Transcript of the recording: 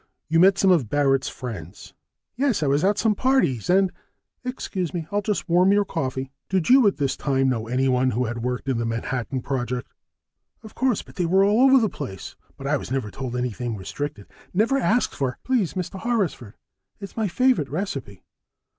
You met some of Barrett's friends?" "Yes, I was at some parties and " "Excuse me, I'll just warm your coffee." "Did you at this time know anyone who had worked in the Manhattan Project?" "Of course. They were all over the place. But I never was told anything restricted, never asked for " "Please, Mr. Horrisford! It's my favorite recipe."